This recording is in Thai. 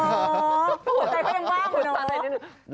อ๋อหัวใจก็ยังว่างเหรอ